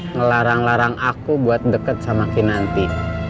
ngelarang larang aku buat deket sama kinanti